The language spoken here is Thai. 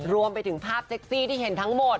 รวมไปถึงภาพเซ็กซี่ที่เห็นทั้งหมด